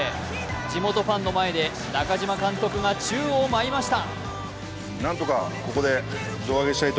地元ファンの前で中嶋監督が宙を舞いました。